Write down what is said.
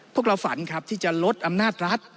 พวกเราฝันครับที่จะลดอำนาจรัฐ